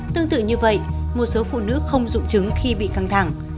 tương tự như vậy một số phụ nữ không dung trứng khi bị căng thẳng